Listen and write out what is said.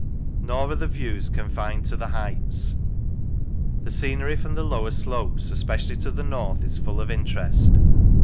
Nor are the views confined to the heights. The scenery from the lower slopes, especially to the north, is full of interest.